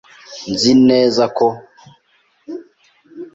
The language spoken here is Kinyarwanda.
Nzi neza ko iyi is ifi y'amazi meza.